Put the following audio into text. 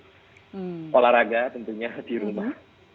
jadi olahraga tentunya di rumah